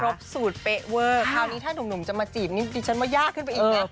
สูตรเป๊ะเวอร์คราวนี้ถ้าหนุ่มจะมาจีบนี่ดิฉันว่ายากขึ้นไปอีกนะ